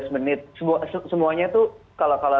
lima belas menit semuanya tuh kalah kalah